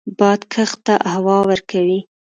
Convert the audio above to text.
باد کښت ته هوا ورکوي